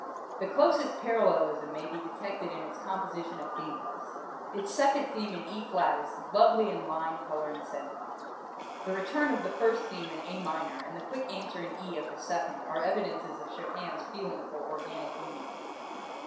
The closest parallelism may be detected in its composition of themes. Its second theme in E flat is lovely in line, color and sentiment. The return of the first theme in A minor and the quick answer in E of the second are evidences of Chopin's feeling for organic unity.